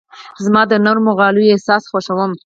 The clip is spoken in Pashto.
زه د نرمو غالیو احساس خوښوم.